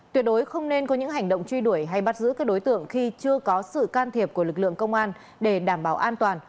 tuyệt đối không nên có những hành động truy đuổi hay bắt giữ các đối tượng khi chưa có sự can thiệp của lực lượng công an để đảm bảo an toàn